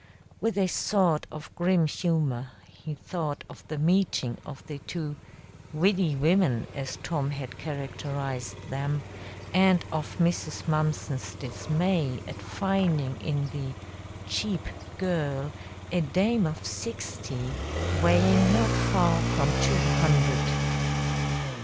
With a sort of grim humor, he thought of the meeting of the two "widdy women," as Tom had characterized them, and of Mrs. Mumpson's dismay at finding in the "cheap girl" a dame of sixty, weighing not far from two hundred.